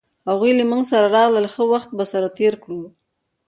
هغوی له مونږ سره راغلل ښه وخت به سره تیر کړو